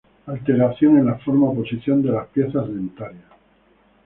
Alteración en la forma o posición de las piezas dentarias.